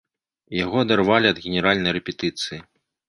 Яго адарвалі ад генеральнай рэпетыцыі.